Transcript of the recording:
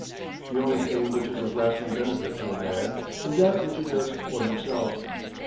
The only thing which is of lasting benefit to a man is that which he does for himself.